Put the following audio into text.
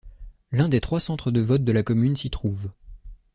L'un des trois centres de votes de la commune s'y trouve.